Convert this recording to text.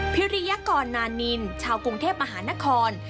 พิริยกรนานินชาวกรุงเทพมหานคร